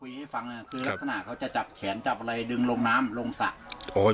คุยให้ฟังนะครับคือลักษณะเขาจะจับแขนจับอะไรดึงลงน้ำลงสระ